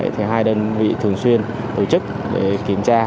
thì hai đơn vị thường xuyên tổ chức để kiểm tra